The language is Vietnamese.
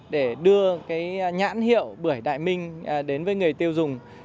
để đưa nhãn hiệu bưởi đại minh đến với người tiêu dùng